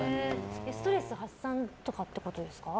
ストレス発散ってことですか？